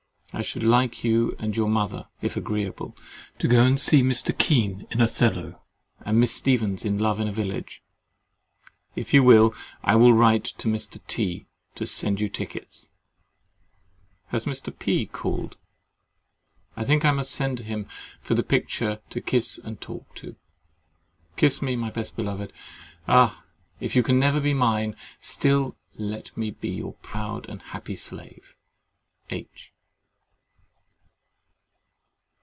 I should like you and your mother (if agreeable) to go and see Mr. Kean in Othello, and Miss Stephens in Love in a Village. If you will, I will write to Mr. T——, to send you tickets. Has Mr. P—— called? I think I must send to him for the picture to kiss and talk to. Kiss me, my best beloved. Ah! if you can never be mine, still let me be your proud and happy slave. H.